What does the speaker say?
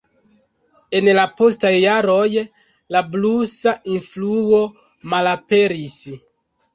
En la postaj jaroj la blusa influo malaperis.